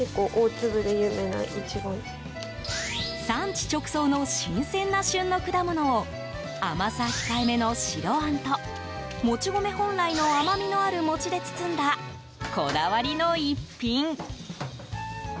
産地直送の新鮮な旬の果物を甘さ控えめの白あんともち米本来の甘みのある餅で包んだ、こだわりの逸品。